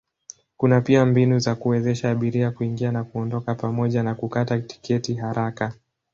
Kuna pia mbinu za kuwezesha abiria kuingia na kuondoka pamoja na kukata tiketi haraka.